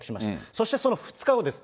そしてその２日後です。